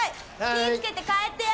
気ぃ付けて帰ってや。